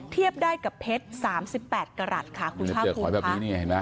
เทียบได้กับเพชร๓๘กรัตค่ะคุณช่างภูมิค่ะ